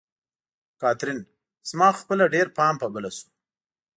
کاترین: زما خو خپله ډېر پام په بله شو.